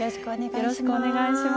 よろしくお願いします。